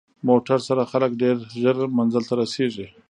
موټر سره خلک ډېر ژر منزل ته رسېږي.